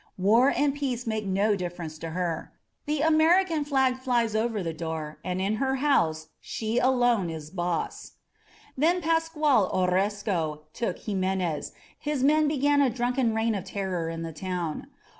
War and peace make no difi^erence to her. The Ameri can flag flies over the door and in her house she alone 162 DUELLO A LA FRIGADA is boss. When Pascual Orozco took Jimenez, his men began a drunken reign of terror in the town.